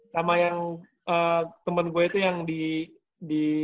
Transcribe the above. sama yang temen gue itu yang di